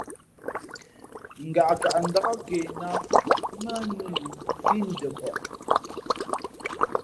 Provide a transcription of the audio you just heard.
Ngaʼkaʼ ndāk ke nā mά nū nduʼ pí ndαpαʼ.